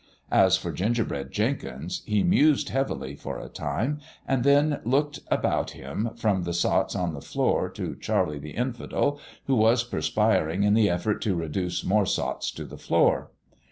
As for Gingerbread Jenkins, he mused heavily, for a time, and then looked about him, from the sots on the floor to Charlie the Infidel, who was perspiring in the effort to reduce more sots to the floor.